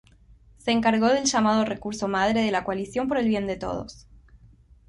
Se encargó del llamado recurso madre de la Coalición Por el Bien de Todos.